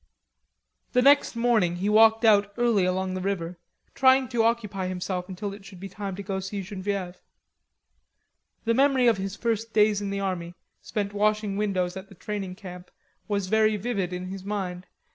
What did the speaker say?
The next morning he walked out early along the river, trying to occupy himself until it should be time to go to see Genevieve. The memory of his first days in the army, spent washing windows at the training camp, was very vivid in his mind.